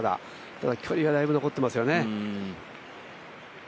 ただ、距離はだいぶ残ってますよね